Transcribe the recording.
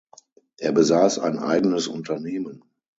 Er besaß ein eigenes Unternehmen.